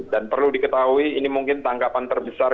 dan perlu diketahui ini mungkin tangkapan terbesar